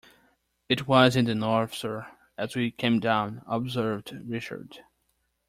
"It was in the north, sir, as we came down," observed Richard.